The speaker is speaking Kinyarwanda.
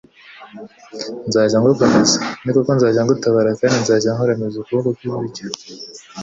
Nzajya ngukomeza, ni koko nzajya ngutabara kandi nzajya nkuramiza ukuboko kw’iburyo,